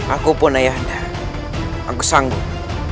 aku pun ayahnya aku sanggup